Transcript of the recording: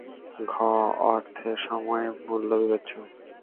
ঘ. অর্থের সময় মূল্য বিবেচনা